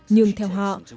nhưng theo họ